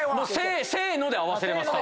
せーの！で合わせれます。